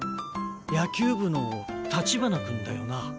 野球部の立花君だよな。